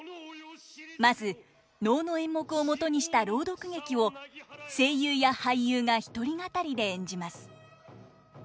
まず能の演目をもとにした朗読劇を声優や俳優が一人語りで演じます。